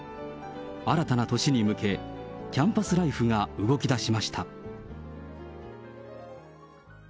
新たな年に向け、キャンパスライフが動き出しました。